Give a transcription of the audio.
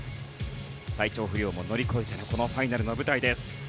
体調不良も乗り越えてのこのファイナルの舞台です。